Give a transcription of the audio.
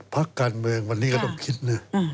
พักการเมืองวันนี้ก็ต้องคิดนะ